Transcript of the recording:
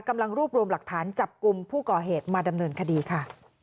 กำลังรวบรวมหลักฐานจับกลุ่มผู้ก่อเหตุมาดำเนินคดีค่ะ